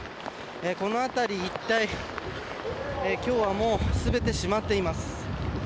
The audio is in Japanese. この辺り一帯今日はもう全て閉まっています。